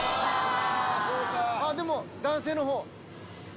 でも、男性のほう。